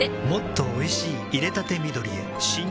もっとおいしい淹れたて緑へ新！